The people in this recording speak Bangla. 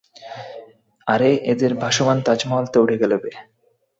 আরে এদের ভাসমান তাজমহল তো উড়ে গেলো বে।